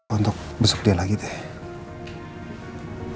untuk besok dia lagi deh